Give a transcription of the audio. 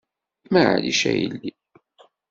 Maɛlic a yelli.